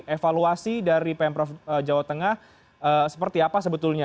evaluasi dari pemprov jawa tengah seperti apa sebetulnya